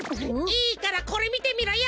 いいからこれみてみろよ！